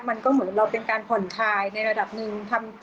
มันก็เหมือนเราเป็นการผ่อนคลายในระดับหนึ่ง